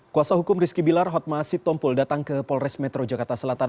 kuasa hukum rizky bilar hotma sitompul datang ke polres metro jakarta selatan